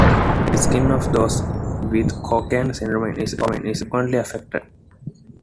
The skin of those with Cockayne syndrome is also frequently affected.